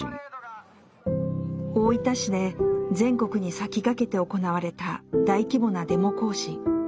大分市で全国に先駆けて行われた大規模なデモ行進。